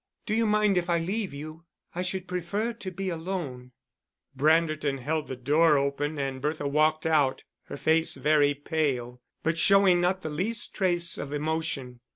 Do you mind if I leave you? I should prefer to be alone." Branderton held the door open and Bertha walked out, her face very pale, but showing not the least trace of emotion.